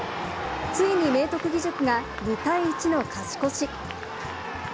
ついに明徳義塾が２対１の勝ち越し。